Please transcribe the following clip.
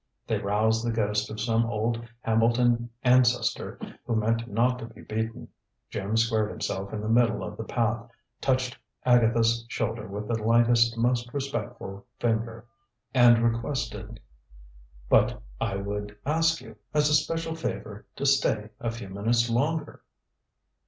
They roused the ghost of some old Hambleton ancestor who meant not to be beaten. Jim squared himself in the middle of the path, touched Agatha's shoulder with the lightest, most respectful finger, and requested: "But I would ask you, as a special favor, to stay a few minutes longer."